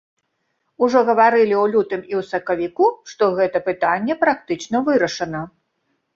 Ужо гаварылі ў лютым і ў сакавіку, што гэта пытанне практычна вырашана.